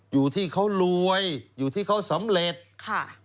อยู่ที่เขารวยอยู่ที่เขาสำเร็จค่ะ